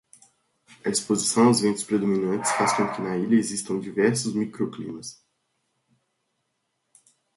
A exposição aos ventos predominantes, faz com que na ilha existam diversos micro-climas.